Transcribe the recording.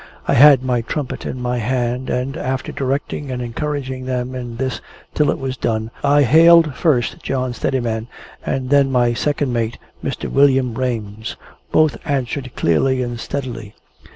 I had my trumpet in my hand, and, after directing and encouraging them in this till it was done, I hailed first John Steadiman, and then my second mate, Mr. William Rames. Both answered clearly and steadily.